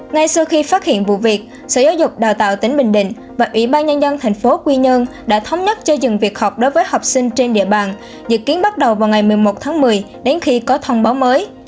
ngay sau khi phát hiện vụ việc sở giáo dục đào tạo tỉnh bình định và ủy ban nhân dân thành phố quy nhơn đã thống nhất cho dừng việc học đối với học sinh trên địa bàn dự kiến bắt đầu vào ngày một mươi một tháng một mươi đến khi có thông báo mới